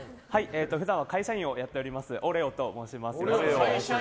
普段は会社員をやっておりますおれおと申します。